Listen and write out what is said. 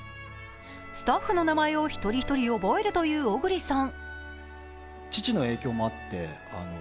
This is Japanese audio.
スタッフの名前を一人一人覚えるという小栗さん。